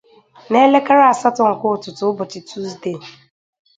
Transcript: n'elekere asatọ nke ụtụtụ ụbọchị Tuzdee.